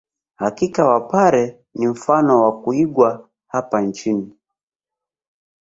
Hakika wapare ni mfano wa kuigwa hapa nchini